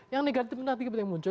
yang negatif kena muncul